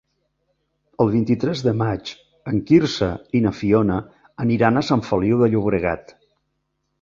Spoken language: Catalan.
El vint-i-tres de maig en Quirze i na Fiona aniran a Sant Feliu de Llobregat.